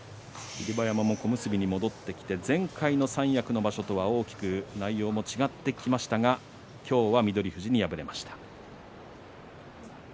霧馬山も小結に戻ってきて前回の三役の場所とは大きく内容も違ってきましたが今日は翠富士に敗れました。